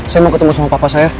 saya mau ketemu sama papa saya